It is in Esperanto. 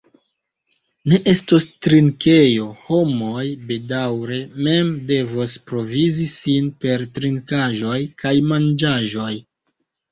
Ne estos trinkejo, homoj bedaŭre mem devos provizi sin per trinkaĵoj kaj manĝaĵoj.